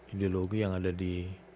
ideologi yang ada di